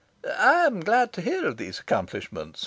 "I am glad to hear of these accomplishments.